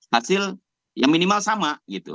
hasil yang minimal sama gitu